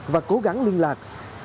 và cố gắng liên lạc